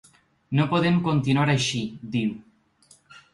No podem continuar així, diu.